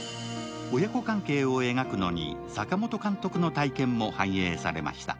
親子関係を描くのに、阪本監督の体験も反映されました。